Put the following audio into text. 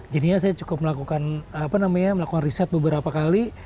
jadinya saya cukup melakukan apa namanya melakukan riset beberapa kali